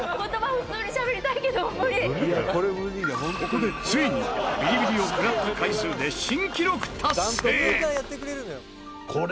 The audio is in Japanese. ここでついにビリビリを食らった回数で新記録達成！